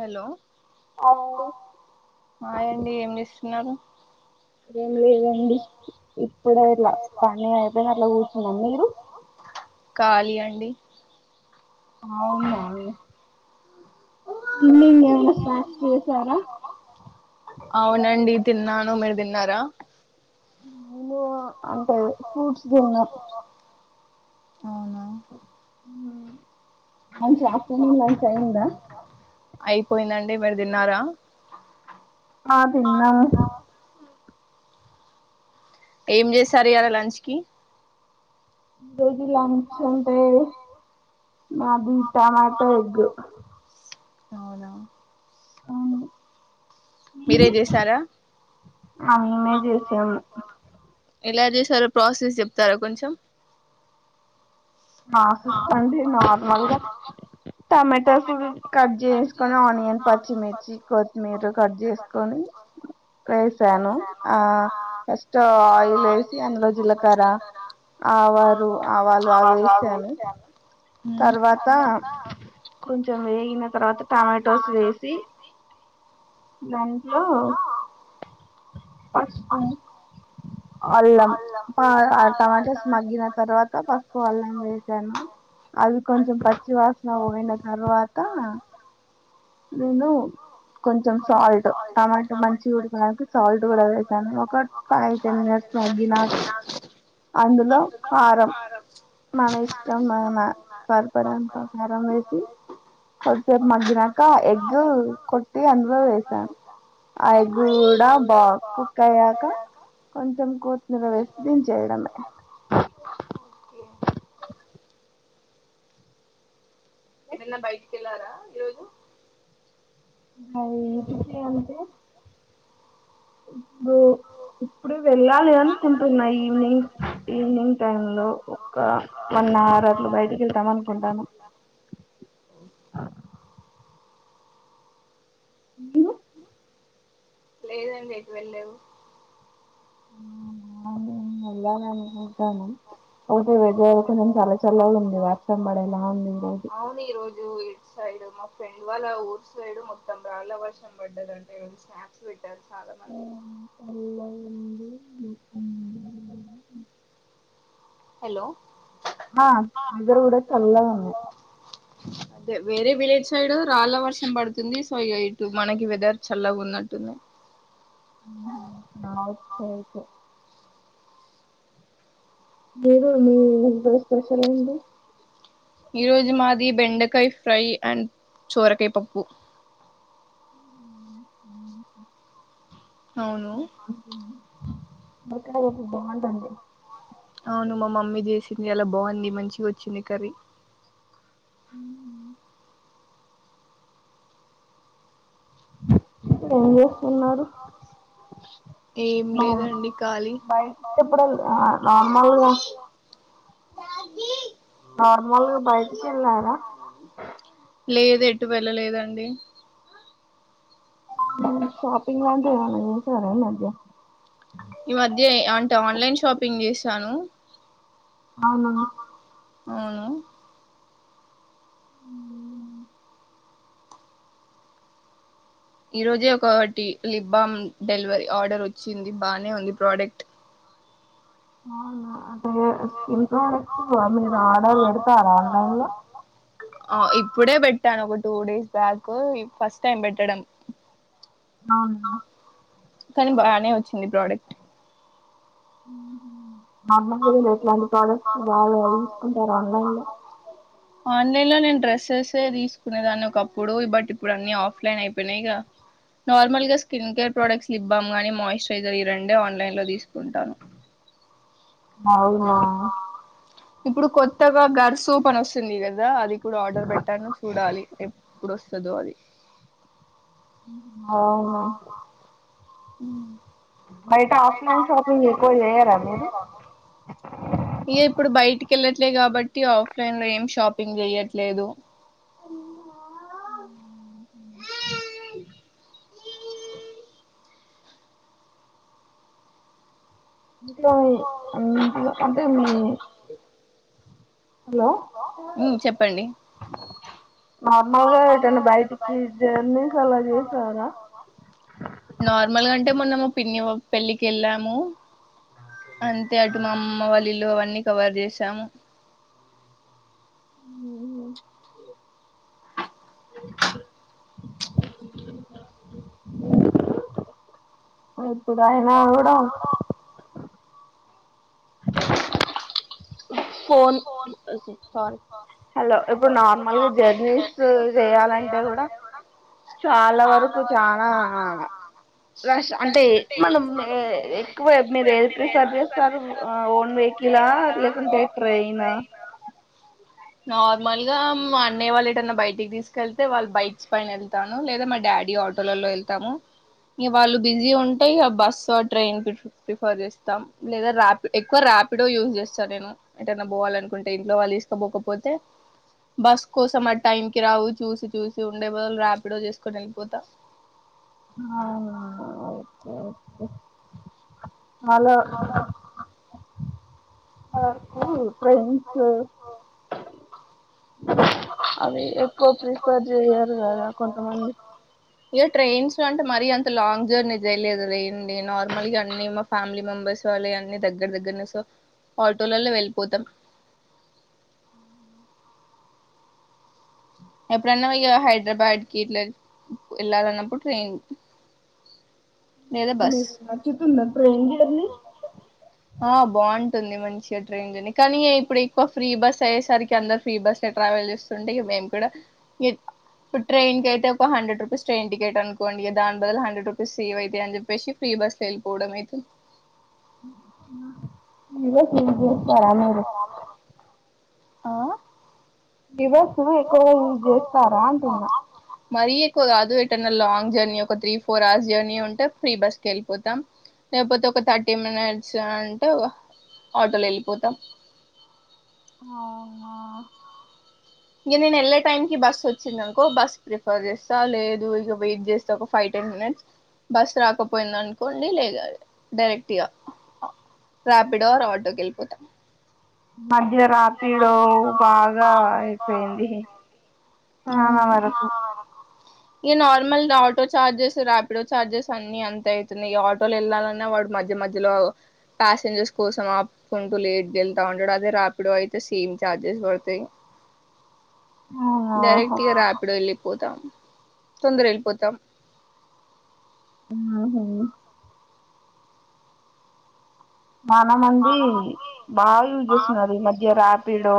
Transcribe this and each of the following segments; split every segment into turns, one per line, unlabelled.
hello హాయండి ఏం చేస్తున్నారు
ఏం లేదండి ఇప్పుడే ఇలా పని అయిపోయిన అట్లా కూర్చున్నాం మీరు
ఖాలీ అండి
అవునా ఈవినింగ్ ఏమైనా స్నాక్స్ చేసారా
అవునండి తిన్నాను మీరు తిన్నారా
మేము అంటే ఫ్రూట్స్ తిన్నా
అవునా
ఉమ్ లంచ్ ఆఫ్టర్నూన్ లంచ్ అయిందా
అయిపోయిందండి మీరు తిన్నారా
ఆ తిన్నాము
ఏం జేసారు ఇయాల లంచ్ కి
ఈ రోజు లంచ్ అంటే మాది టమాటో ఎగ్
అవునా
మీది అన్నమే చేసాము
ఎలా చేశారో ప్రాసెస్ చెప్తారా కొంచెం
ప్రాసెస్ అంటె నార్మల్గా టమాటోస్ కట్ చేస్ కొని ఆనియన్ పచ్చిమిర్చి కొత్తిమీర కట్ చేసుకొని వేసాను ఆ ఫస్ట్ ఆయిల్ వేసి అందులో జీలకరా ఆవారు ఆవాళు అవేసి
వేశాను
తర్వాత కొంచెం వేగిన తర్వాత టమాటోస్ వేస్ సి దాంట్లో పసుపు అల్లం ఆ టమాటాస్ మగ్గిన తర్వాత పసుపు అల్లం వేసాను అది కొంచెం పచ్చి వాసన వోయిన తర్వాత నేను కొంచెం సాల్ట్ టమాటో మంచి ఉడకడానికి సాల్ట్ కూడా వేసాను ఒక ఫైవ్ టెన్ మినిట్ స్ మగ్గినాక అందులో కారం మన ఇష్టం ఆ సరిపడేంత కారం వేసి కొంసేపు మగ్గినాక ఎగ్ కొట్టి అందులో వేసాను ఆ ఎగ్ కూడా బా కుక్ అయ్యాక కొంచెం కొత్మీర వేసి దిన్చేయడమే
ఏటన్న బయటికేళ్లారా ఈరోజు
ఇప్పు ఇప్పుడు వెళ్ళాలి అనుకుంటున్నా ఈవినింగ్ ఈవినింగ్ టైమ్ లో ఒక వన్ అవర్ ఆరుట్లు బయటికి వెళ్తాం అనుకుంటాను హ్మ్
లేదండి అయితే వెళ్ళావు
[inaudible] వెలాల అనుకుంటాను ఒకటే విజ కొంచెం చల్ల చల్లలు ఉంది వర్షం పడే ఎలా ఉంది
అవును ఈ రోజు సైడ్ మా ఫ్రెండ్ వాళ్ళ ఊరు సైడు మొత్తం రాళ్ళ వర్షం పడ్డ అంట స్నాప్స్ పె
[inaudible]
హలో అదే వేరే విలేజ్ సైడ్ రాళ్ళ వర్షం పడుతుంది సో ఇ ఇటు మనకి వెదర్ చల్లగా ఉన్నట్టు న్న
[inaudible] గరు మీ బ స్పషాల్ ఏంది
ఈ రోజు మాది బెండకాయ ఫ్రై అండ్ చూరకాయ పప్పు
చూరకాయ పప్పు బాగుంటండి
అవును మా మమ్మీ చేసింది అలా బాగుంది మంచిగా వచ్చింది కర్రీ
అ ఏం చేస్తున్నారు బయటిప్పుడు నార్మల్ గా
రా
నార్మల్గా బయటికి వెళ్ళారా
ఎటు వెళ్ళలేదండి
మ సాపింగ్ లాంటివి ఏం అయినా చేశారా ఈ మధ్య
ఈ మధ్య అంటే ఆన్లైన్ షాపింగ్ చేసాను
అవునా
అవును ఈరోజే ఒకటి లిప్ బామ్ డెలివరీ ఆర్డర్ వచ్చింది బానే ఉంది ప్రోడక్ట్
అవునా ఎంత మీరు ఆర్డర్ పెడతారా ఆన్లైన్ లో
పెట్టాను ఒక two days back first time పెట్టడం
అవునా
కానీ బానే వచ్చింది ప్రోడక్ట్
అమ్మ ఎట్లాంటి ప్రోడక్ట్స్ బాగా తీసుకుంటారు ఆన్లైన్ లో
ఆన్లైన్లో నేను డ్రెస్సెస్ ఎ తీసుకునేదాన్ని ఒకప్పుడు బట్ ఇప్పుడు అన్నీ ఆఫ్లైన్ అయిపోయినాయి ఇక నార్మల్ గా skin care products lip balm కానీ మాయిశ్చరైజర్ ఈ రండే ఆన్లైన్ లో తీసుకుంటాను
అవునా
ఇప్పుడు కొత్తగా గర్ సూపని వస్తుంది కదా అది ఇప్పుడు ఆర్డర్ పెట్టాను చూడాలి ఇప్పుడు వస్తదో అది
అవునా
హ్మ్
బయట ఆఫ్లైన్ షాపింగ్ ఎక్కువ చేయారా మీరు
ఇయ ఇప్పుడు బయటికేలాట్లే అలే కాబట్టి ఆఫ్లైన్ లో ఏం షాపింగ్ చెయట్లేదు
హ ఇంట్లో మీ ఇంట్లో అంటే మీ
ఉమ్ చెప్పండి
నార్మల్గా ఏటని బయటికి జర్నీస్ అలా చేసారా
నార్మల్గాంటే మొన్నము పిన్ని పెళ్ళికి వెళ్ళాము అంతే అటు మా అమ్మ వాళ్ళ ఇల్లు అవన్నీ కవర్ చేసాము
ఇప్పుడు అయనా కూడా ఫోన్ [inaudible] హలో ఇప్పుడు నార్మల్గా జర్నీస్ చేయాలంటే కూడా చాలా వరకు చానా రష్ అంటే మనం ఎక్కువ మీరు ఏది ప్రిఫర్ చేస్తారు ఓన్ వెయ్హికీలా లేధా ట్రేన్ ఆ
నార్మల్ గా అన్నయ్య వాళ్ళు ఏంటన్నా బయటికి తీసుకెళ్తే వాళ్ళు బైక్ పైన వెళ్తాను లేదా మా డాడీ ఆటోలలో వెళ్తాము ఇక వాళ్ళు బిజీ ఉంటే ఇక బస్ ట్రైన్ ప్రిఫర్ చేస్తాం లేదా రాపి ఎక్కువ రాపి రాపిడో యూజ్ చేస్తాను నేను ఏటనా పోవాలనుకుంటే ఇంట్లో వాళ్ళు తీసుకపోకపోతే బస్ కోసం ఆ టైం కి రావు చూసి చూసి ఉండే బదులు ర్పిడ్ గా చేసుకొని వెళ్ళిపోతా
ఆ అవూ
హలో
[inaudible] ట్రైన్స్ అవి ఎక్కువ ప్రిఫేర్ చేయ్యారు కదా కొంతమంది
అంటే మరీ అంత లాంగ్ జర్నీ చేయలేదుదడి నార్మల్గా అన్ని మా ఫ్యామిలీ మెంబర్స్ వాళ్ళ అన్ని దగ్గర దగ్గర దగ్గరనే సో ఆటోలలో వెళ్ళిపోతాం ఎప్పుడన్నాయ్య హైదరాబాద్కి ఇట్లా ఎళ్లాల అన్నప్పు ట్రెయిన్ లెధా భస్
నచుతుంధా ట్రేన్ జర్ని
మంచిగా ట్రైన్ లోని కానీ ఇప్పుడు ఎక్కువ ఫ్రీ బస్ అయ్యేసరికి అందరూ ఫ్రీ బాస్ ట్రావెల్ చేస్తుంటే ఇక మే కుడా ఇకా ఇప్పుడు ట్రైన్ క అయితే ఒక హండ్రెడ్ రూపీస్ ట్రైన్ టికెట్ అనుకోండి ని ధన్ బదులు హండ్రెడ్ రూపీ సీవ్ అవుయి అని చెప్పే ఫ్రీ ఫ్రి భస్ వెల్లిపోడం అయితే
[unintelligible]
ఆ
[inaudible] ఎక్కువగా యూజ్ చేస్తారా అంటున్నా
మరీ ఎక్కువ కాదు ఎటనా లాంగ్ జర్నీ ఒక త్రీ ఫోర్ అవర్స్ జర్నీ ఉంటే ఫ్రీ బస్ క వెళ్ళిపోతాం లేకపోతే ఒక థర్టీ మినిట్స్ అంటే ఆటోలో వెళ్ళిపోతాం ఇక నేను వెళ్ళ టైం కి బస్ వచ్చిందినుకో బస్ ప్రిఫర్ చేస్తా లేదు ఇక వెయిట్ చేస్తా ఒక ఫైవ్ మనిట్స్ బస్ రాకపోయింద అనుకోండి లేగా డైరెక్ట్ గా ర్యాపిడో ఆటోకి వెళ్ళిపోతాం
మధ్య రాపిడో బాగా అయిపోయింది
అవును ఇ normal auto charges Rapido charges అన్ని అంత అవుతున్నాయి ఆటోలు వెళ్ళాలన్నా వాడు మధ్య మధ్యలో ప్యాసెంజర్స్ కోసం ఆపుకుంటూ లేట్ గా వెళ్తా ఉంటాడు అదే రాపిడో అయితే సేమ్ చార్జెస్ పడతాయి డైరెక్ట్ ఇగ రాపిడో వెళ్ళిపోతాం తొందర వెళ్ళిపోతాం
హు మనమంది బాగా యూజ్ చేస్తున్నారు ఈ మధ్య ర్యాపిడో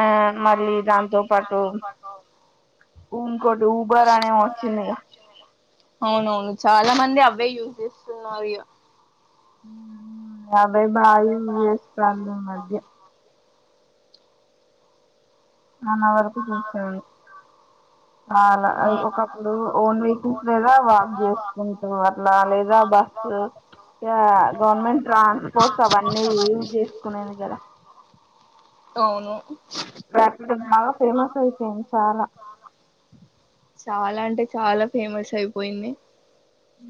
అ మ తళ్లి దాంతో పాటు
అవునవును చాలా మంది అ అవే యూజస్ అార
అభై బాయి వస్ ప్రబ్ల మధ నన వరకు చూసను అలా ఒకప్పుడు ఓన్ వెహికల్స్ లేదా వాక్ చేసుకుంటా అట్లా లేదా బస్ ఇ గవర్నమెంట్ ట్రాన్స్పోర్ట్స్ అవన్నీ యూజ చేసుకునేది కదా - [inaudible]
అవును
రాపిడో బాగా ఫేమస్ అయిపోయింది చాలా
చాలా అంటే చాలా ఫేమస్ అయిపోయింది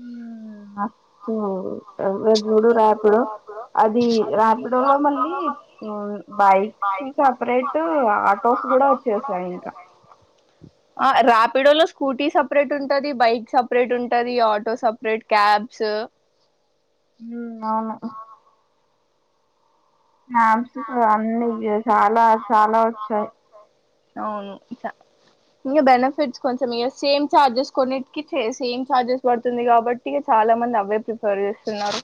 ఉమ్మ్ ముస్తా వజుడు రార్పిడు అది రార్పిడ లో మళ్ళీ బైక్ సపరేట్ ఆటోస్ కూడా వచ్చేసాారు ఇంకా
ఆ రాపిడోలో స్కూటీ సపరేట్ ఉంటది బైక్ సపరేట్ ఉంటది ఆటో సపరేట్ క్యాబ్స్
ఉ అవును హం అని చాలా చాలా వచ్చాయి
అవును చ ఇంకా బెనిఫిట్స్ కొంచెం ఇ సేమ్ చార్జెస్ కొన్నిటికి చే సేమ్ చఛార్జెస్ పడుతుంది కాబట్టి ఇ చాలా మంది అవే ప్రిఫేర్ చేస్తున్నారు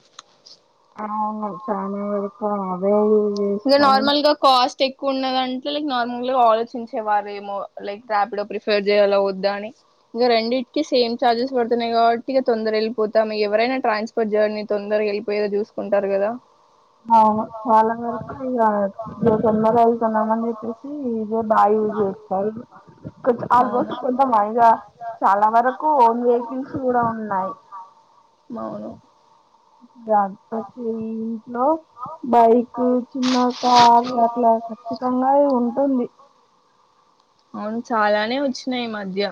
అవును చానా వరకు అదే ఈ
ఇ నార్మల్గా కాస్ట్ కొన్ని గంటలో లైక్ నార్మల్గా ఆలోచించేవారుేమో లైక్ రాపిడ్ ప్రిఫేర్ చేయలో వద్దా అని ఇక రెండింటికి సేమ్ చార్జెస్ పడుతున్నాయి కాబట్టి ఇక తొందర వెళ్ళిపోతాం ఎవరైనా ట్రాన్స్ఫర్ జర్నీ తొందర వాలిపోయదో చూసుకుంటారు కదా
అవును చాలా వరకు ఇక చమరాజతున్నామని చెప్పేసి ఇద బాయి ఉజ వస్తారు కొం ఆల్మోస్ట్ కొంత మైగాా చాలా వరకు ఓన్ వెహికల్స్ కూడా ఉన్నాయి
నోనో
రాచ్చలో బైక్ చిన్న కార్ అట్లా ఖచ్చితంగా ఉంటుంది
అవును చాలానే వచ్చినాయి ఈ మధ్య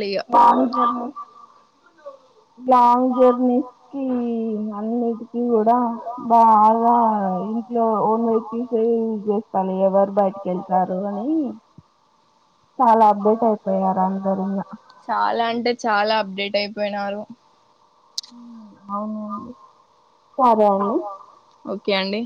[unintelligible] లాంగ్ జెర్నీకి అన్నీటికి ఇది కూడా బాగా ఇంట్లో ఓన్ వెక్ల్సే చేస్తాను ఎవరు బయ కలుతారుని
డ చాలా అంటే చాలా అప్డేట్ అయిపోయినారు
అవునండి
ఓకే అండి